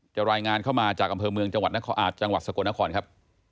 รายงานเข้ามาจากอำเภอเมืองจังหวัดสกลนครครับ